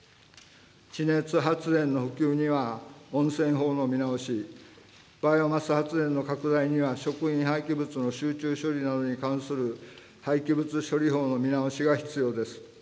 地熱発電の普及には温泉法の見直し、バイオマス発電の拡大には食品廃棄物の集中処理などに関する廃棄物処理法の見直しが必要です。